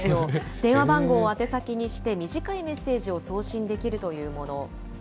電話番号を宛先にして、短いメッセージを送信できるというもの。